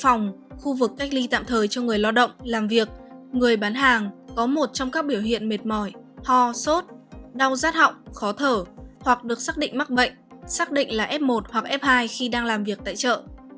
khu vực cách ly tạm thời cho người lao động làm việc người bán hàng có một trong các biểu hiện mệt mỏi ho sốt đau rát họng khó thở hoặc được xác định mắc bệnh xác định là f một hoặc f hai khi đang làm việc tại chợ